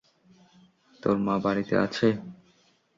তোর মা বাড়িতে আছে?